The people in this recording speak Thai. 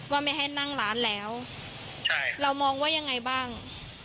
ไม่ให้นั่งร้านแล้วเรามองว่ายังไงบ้าง